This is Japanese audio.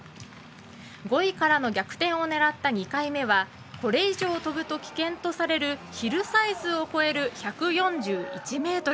５位からの逆転を狙った２回目はこれ以上跳ぶと危険とされるヒルサイズを超える１４１ｍ。